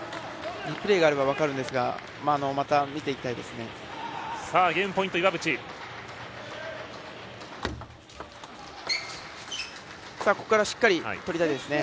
リプレーがあれば分かるんですが見ていきたいですね。